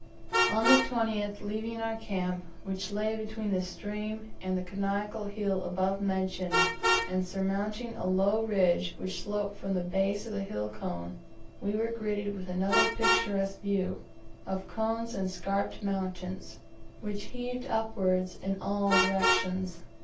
On the 20th, leaving our camp, which lay between the stream and the conical hill above mentioned, and surmounting a low ridge which sloped from the base of the hill cone, we were greeted with another picturesque view, of cones and scarped mountains, which heaved upward in all directions.